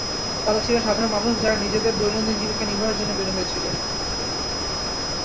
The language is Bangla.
তারা ছিলেন সাধারণ মানুষ যারা নিজেদের দৈনন্দিন জীবিকা নির্বাহের জন্য বের হয়েছিলেন।